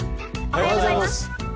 おはようございます。